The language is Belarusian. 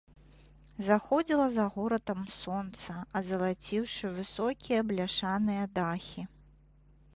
Заходзіла за горадам сонца, азалаціўшы высокія бляшаныя дахі.